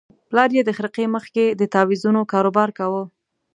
پلار یې د خرقې مخ کې د تاویزونو کاروبار کاوه.